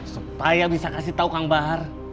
supaya bisa kasih tahu kang bahar